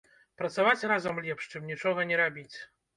Працаваць разам лепш, чым нічога не рабіць.